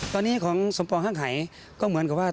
ตอนนี้ของสมปองห้างไหก็เหมือนกับว่า